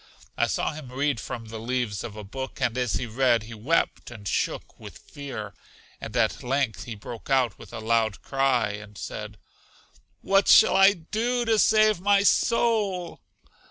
I saw him read from the leaves of a book, and as he read, he wept and shook with fear; and at length he broke out with a loud cry, and said, What shall I do to save my soul?